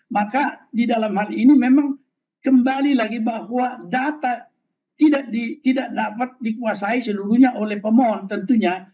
maka di dalam hal ini memang kembali lagi bahwa data tidak dapat dikuasai seluruhnya oleh pemohon tentunya